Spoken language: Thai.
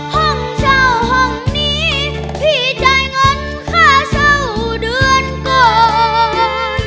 ห้องเช่าห้องนี้พี่จ่ายเงินค่าเช่าเดือนก่อน